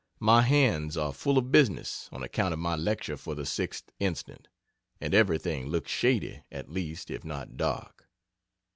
My hands are full of business on account of my lecture for the 6th inst., and everything looks shady, at least, if not dark.